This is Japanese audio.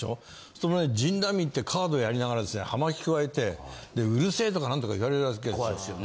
そうするとねジン・ラミーってカードやりながら葉巻くわえてうるせえとかなんとか言われるわけですよ。